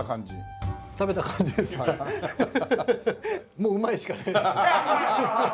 もう「うまい」しか出ないですね。